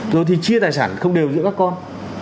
rồi thì chia tài sản không đều giữa các con